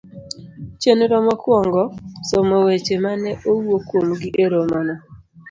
Chenro mokuongo. somo weche ma ne owuo kuomgi e romono.